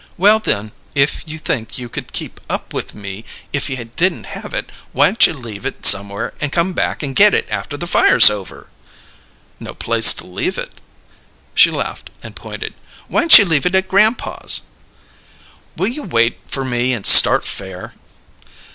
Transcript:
"Well, then, if you think you could keep up with me if you didn't have it, why'n't you leave it somewhere, and come back and get it after the fire's over?" "No place to leave it." She laughed, and pointed. "Why'n't you leave it at grandpa's?" "Will you wait for me and start fair?"